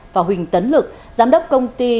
và huỳnh tấn lực giám đốc công ty